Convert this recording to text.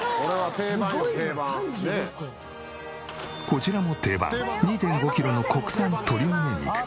こちらも定番２．５キロの国産鶏むね肉。